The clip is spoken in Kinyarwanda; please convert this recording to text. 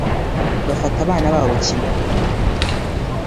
bafata abana babo kimwe